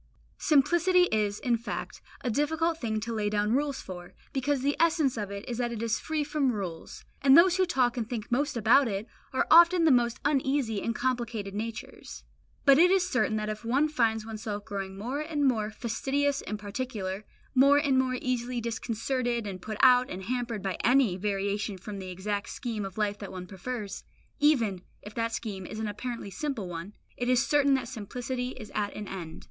Simplicity is, in fact, a difficult thing to lay down rules for, because the essence of it is that it is free from rules; and those who talk and think most about it, are often the most uneasy and complicated natures. But it is certain that if one finds oneself growing more and more fastidious and particular, more and more easily disconcerted and put out and hampered by any variation from the exact scheme of life that one prefers, even if that scheme is an apparently simple one, it is certain that simplicity is at an end.